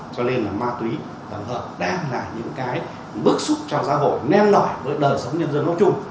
cho nên là ma túy tổng hợp đang là những cái bước xuất cho gia hội nem nổi với đời sống nhân dân mong chung